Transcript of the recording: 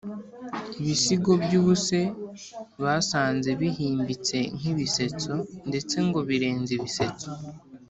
ibisigo by’ubuse basanze bihimbitse nk’ibisetso ndetse ngo birenze ibisetso